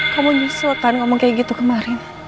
kamu nyusutan ngomong kayak gitu kemarin